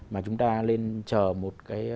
mà chúng ta lên chờ một cái